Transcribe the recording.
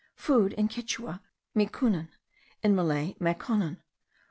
Food, in Quichua, micunnan; in Malay, macannon.